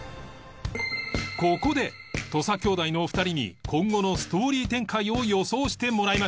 ここで土佐兄弟のお二人に今後のストーリー展開を予想してもらいました